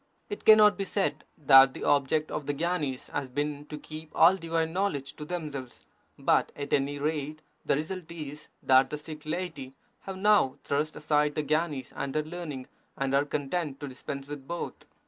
It cannot be said that the object of the gyanis has been to keep all divine knowledge to themselves, but at any rate the result is, that the Sikh laity have now thrust aside the gyanis and their learning, and are content to dispense with both.